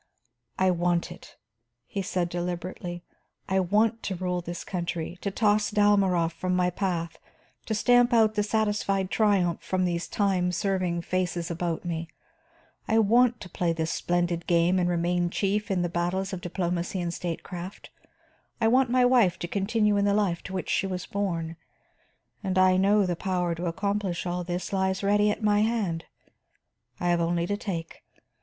"I want it," he said deliberately. "I want to rule this country, to toss Dalmorov from my path, to stamp out the satisfied triumph from these time serving faces about me. I want to play this splendid game and remain chief in the battles of diplomacy and statecraft. I want my wife to continue in the life to which she was born. And I know the power to accomplish all this lies ready at my hand; I have only to take.